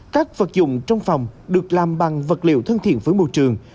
các vật dụng trong phòng được làm bằng vật liệu thân thiện với môi trường